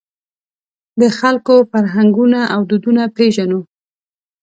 د خلکو فرهنګونه او دودونه پېژنو.